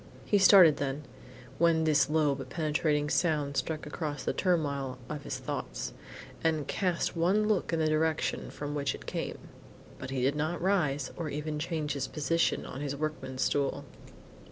He started then, when this low but penetrating sound struck across the turmoil of his thoughts, and cast one look in the direction from which it came; but he did not rise, or even change his position on his workman's stool.